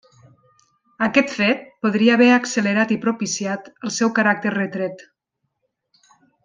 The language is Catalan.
Aquest fet podria haver accelerat i propiciat el seu caràcter retret.